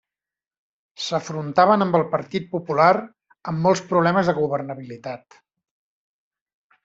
S'afrontaven amb el Partit Popular amb molts problemes de governabilitat.